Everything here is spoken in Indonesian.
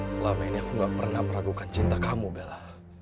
selama ini aku gak pernah meragukan cinta kamu bella